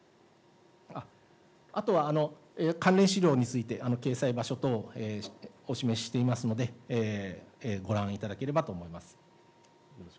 あとは、関連資料について掲載場所等、お示ししていますので、ご覧いただければと思います。